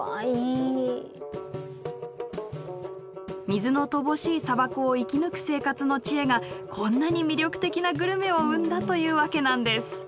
水の乏しい砂漠を生き抜く生活の知恵がこんなに魅力的なグルメを生んだというわけなんです。